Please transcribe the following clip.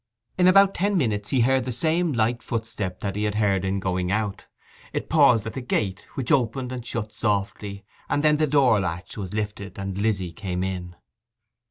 In about ten minutes he heard the same light footstep that he had heard in going out; it paused at the gate, which opened and shut softly, and then the door latch was lifted, and Lizzy came in.